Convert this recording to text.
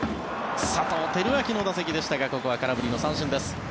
佐藤輝明の打席でしたがここは空振りの三振です。